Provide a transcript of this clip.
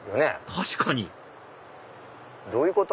確かにどういうこと？